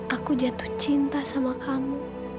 aku jatuh cinta sama kamu